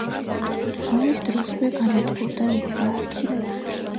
ომის დროსვე განადგურდა მისი არქივი.